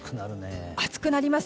暑くなります。